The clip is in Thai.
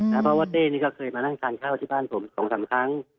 เพราะว่าเต้นี่ก็เคยมานั่งทานข้าวที่บ้านผม๒๓ครั้ง